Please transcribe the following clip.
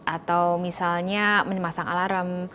atau misalnya memasang alarm